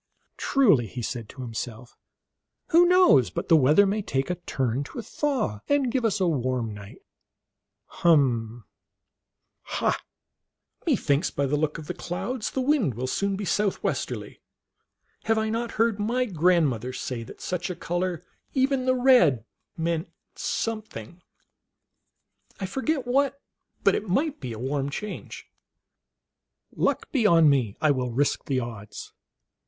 " Truly," he said to himself, " who knows but the weather may take a turn to a thaw, and give us a warm night ? Hum ! ha ! methinks by the look of the clouds the wind will soon be southwesterly. Have I not heard my grandmother say that such a color, even the red, meant something ? I forget what, but it might be a warm change. Luck be 011 me, I will risk the odds."